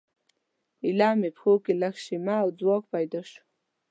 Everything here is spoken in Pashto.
ایله مې پښو کې لږه شیمه او ځواک پیدا شو.